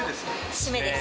締めです。